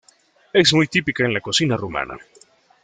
Es muy típica en la cocina rumana.